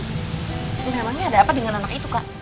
namanya ada apa dengan anak itu kak